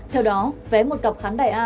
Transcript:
theo đó vé một cặp khán đại a